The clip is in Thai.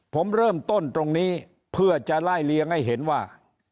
ผมเริ่มต้นตรงนี้เพื่อจะไล่เลี้ยงให้เห็นว่า